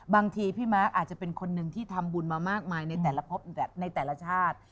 พี่ม้าอาจจะเป็นคนหนึ่งที่ทำบุญมามากมายในแต่ละชาติ